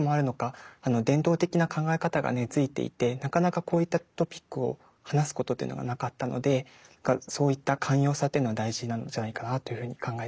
伝統的な考え方が根づいていてなかなかこういったトピックを話すことがなかったのでそういった寛容さっていうのは大事なんじゃないかなというふうに考えています。